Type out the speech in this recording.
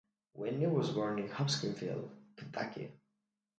Whitney was born in Hopkinsville, Kentucky.